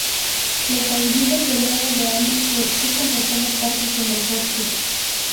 Los aullidos de lobo de Ame se escuchan por todas partes en el bosque.